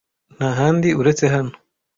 "Nta handi uretse hano